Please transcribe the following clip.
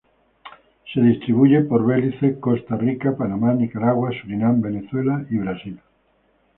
Se distribuye por Belice, Costa Rica, Panamá, Nicaragua, Surinam, Venezuela y Brasil.